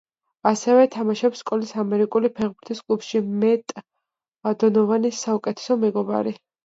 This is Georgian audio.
ასევე თამაშობს სკოლის ამერიკული ფეხბურთის კლუბში, მეტ დონოვანის საუკეთესო მეგობარი.